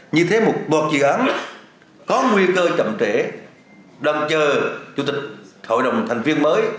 như thế một dự án có nguy cơ chậm trễ đợi chờ chủ tịch hội đồng thành viên mới